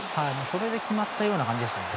それで決まったような感じでしたね。